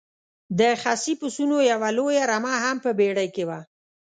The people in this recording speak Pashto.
د خسي پسونو یوه لویه رمه هم په بېړۍ کې وه.